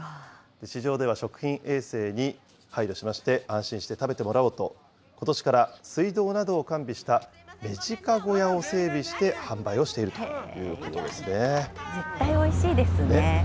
市場では食品衛生に配慮しまして、安心して食べてもらおうと、ことしから水道などを完備したメジカ小屋を整備して販売をしてい絶対おいしいですね。